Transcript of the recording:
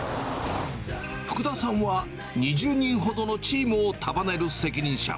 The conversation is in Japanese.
福田さんは２０人ほどのチームを束ねる責任者。